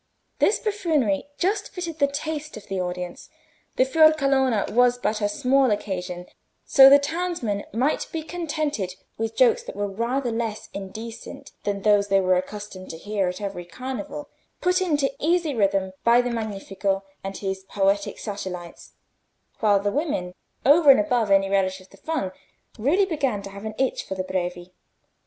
This buffoonery just fitted the taste of the audience; the fierucola was but a small occasion, so the townsmen might be contented with jokes that were rather less indecent than those they were accustomed to hear at every carnival, put into easy rhyme by the Magnifico and his poetic satellites; while the women, over and above any relish of the fun, really began to have an itch for the Brevi.